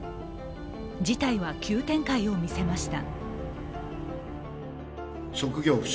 事態は急展開を見せました。